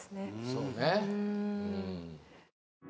そうね。